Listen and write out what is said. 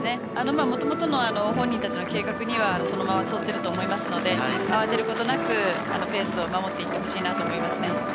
もともとの本人たちの計画には合ってると思いますので慌てることなくペースを守っていってほしいなと思いますね。